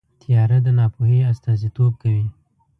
تیاره د ناپوهۍ استازیتوب کوي.